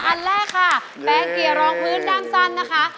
อันแรกค่ะแปลงเกียร์รองพื้นด้ามสั้นนะคะ